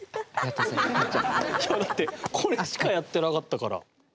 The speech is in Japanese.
いやだってこれしかやってなかったから。